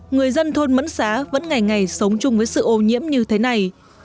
người dân thôn mẫn xá vẫn ngày ngày sống chung với sự ô nhiễm như thế này